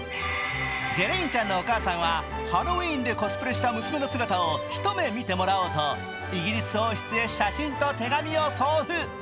ジェレインちゃんのお母さんはハロウィーンでコスプレした娘の姿を一目見てもらおうとイギリス王室へ写真と手紙を送付。